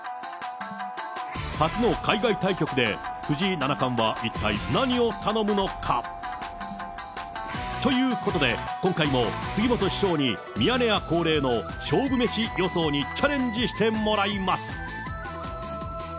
初の海外対局で藤井七冠は一体何を頼むのか。ということで、今回も杉本師匠にミヤネ屋恒例の勝負メシ予想にチャレンジしてもらいます。